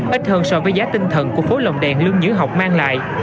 ít hơn so với giá tinh thần của phố lồng đèn lương học mang lại